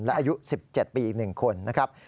และอายุ๑๗ปีอีก๑คนนะครับ